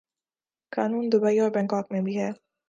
قانون دوبئی اور بنکاک میں بھی ہے۔